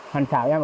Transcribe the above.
hoàn khảo em